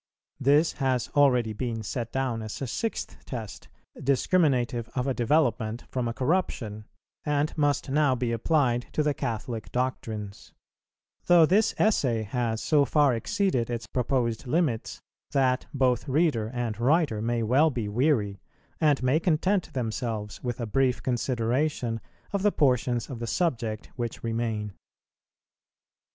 This has already been set down as a Sixth Test, discriminative of a development from a corruption, and must now be applied to the Catholic doctrines; though this Essay has so far exceeded its proposed limits, that both reader and writer may well be weary, and may content themselves with a brief consideration of the portions of the subject which remain.